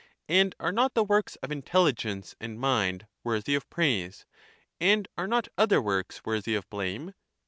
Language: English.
And are not the works of intelligence and mind worthy of praise, and are not other works worthy of blame?